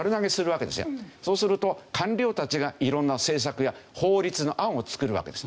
そうすると官僚たちがいろんな政策や法律の案を作るわけです。